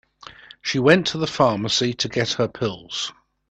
She went to the pharmacy to get her pills.